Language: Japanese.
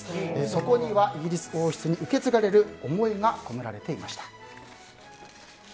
そこにはイギリス王室に受け継がれる思いが込められていました。